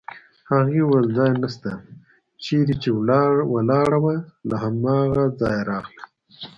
هغې وویل: ځای نشته، چېرې چې ولاړه وه له هماغه ځایه راغله.